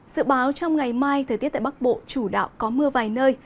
dự báo trong ngày mai thời tiết tại bắc bộ chủ đạo có mưa vài nơi